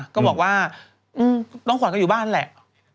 ก็บอกว่าน้องขวัญก็อยู่บ้านแหละ